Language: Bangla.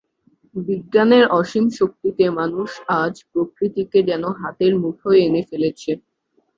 বিজ্ঞানের অসীম শক্তিতে মানুষ আজ প্রকৃতিকে যেন হাতের মুঠোয় এনে ফেলেছে।